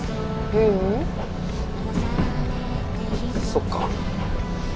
そっか。